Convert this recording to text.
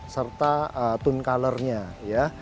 serta tone color nya ya